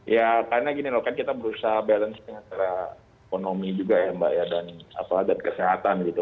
ya karena gini loh kan kita berusaha balance secara ekonomi juga ya mbak ya dan kesehatan gitu